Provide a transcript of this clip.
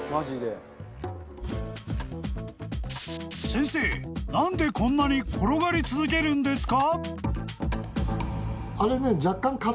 ［先生何でこんなに転がり続けるんですか？］